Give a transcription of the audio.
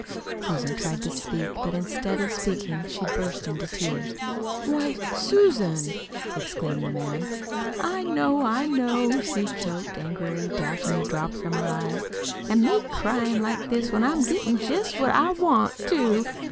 Susan tried to speak, but instead of speaking she burst into tears. "Why, Susan!" exclaimed the man. "I know, I know," she choked, angrily dashing the drops from her eyes. "An' me cryin' like this when I'm gettin' jest what I want, too!"